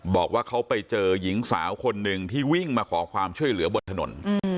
บอกว่าเขาไปเจอหญิงสาวคนหนึ่งที่วิ่งมาขอความช่วยเหลือบนถนน